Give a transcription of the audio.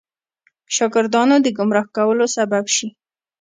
شاګردانو د ګمراه کولو سبب شي.